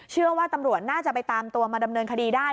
เชื่อว่าตำรวจน่าจะไปตามตัวมาดำเนินคดีได้